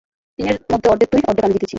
তিনের মধ্যে অর্ধেক তুই, অর্ধেক আমি জিতেছি।